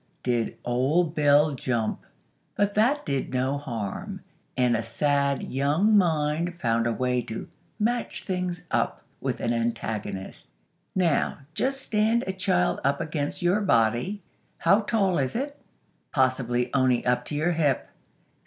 Did Old Bill jump!! But that did no harm, and a sad young mind found a way to 'match things up' with an antagonist. Now, just stand a child up against your body. How tall is it? Possibly only up to your hip.